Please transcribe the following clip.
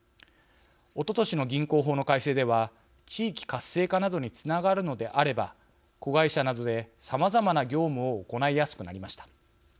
おととしの銀行法の改正では地域活性化などにつながるのであれば子会社などでさまざまな業務を行いやすくなりました。